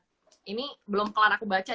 nah ini belum kelar aku baca